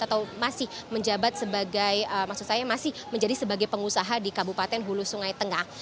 atau masih menjabat sebagai maksud saya masih menjadi sebagai pengusaha di kabupaten hulu sungai tengah